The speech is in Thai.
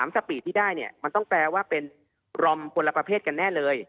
สปีดที่ได้เนี่ยมันต้องแปลว่าเป็นรอมคนละประเภทกันแน่เลย